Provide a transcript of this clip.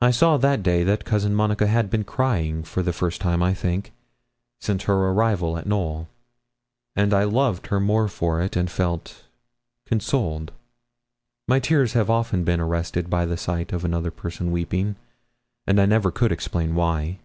I saw that day that Cousin Monica had been crying for the first time, I think, since her arrival at Knowl; and I loved her more for it, and felt consoled. My tears have often been arrested by the sight of another person weeping, and I never could explain why.